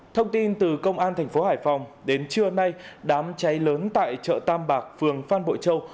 thông tin từ công an thành phố hải phòng đến trưa nay đám cháy lớn tại chợ tam bạc phường phan bội châu